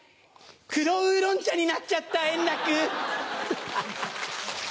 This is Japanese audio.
黒ウーロン茶になっちゃった円楽。